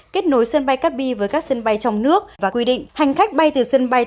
kết nối sân bay cát bi với các sân bay trong nước và quy định hành khách bay từ sân bay